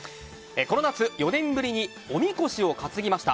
この夏、４年ぶりにおみこしを担ぎました。